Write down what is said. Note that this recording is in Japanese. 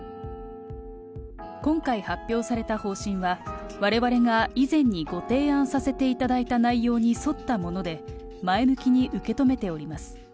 今回発表された方針は、われわれが以前にご提案させていただいた内容に沿ったもので、前向きに受け止めております。